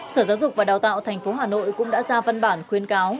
sở giáo dục và đào tạo thành phố hà nội cũng đã ra văn bản khuyên cáo